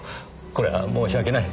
これは申し訳ない。